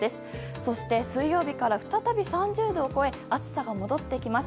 そして水曜日から再び３０度を超え暑さが戻ってきます。